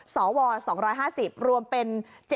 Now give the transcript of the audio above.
สว๒๕๐รวมเป็น๗๐